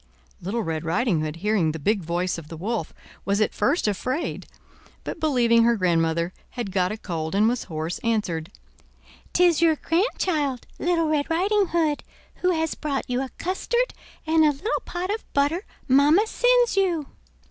Little Red Riding Hood, hearing the big voice of the Wolf, was at first afraid; but believing her grandmother had got a cold and was hoarse, answered: 'Tis your grandchild, Little Red Riding Hood, who has brought you a custard and a little pot of butter mamma sends you."